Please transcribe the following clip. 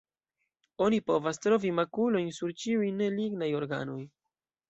Oni povas trovi makulojn sur ĉiuj ne lignaj organoj.